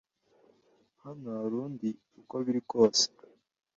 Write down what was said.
Hano hari undi uko biri kose